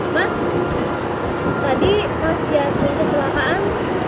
mas tadi pas yasmin kecelakaan